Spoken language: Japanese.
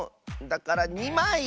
だから２まい！